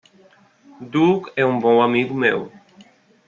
Doug é um bom amigo meu.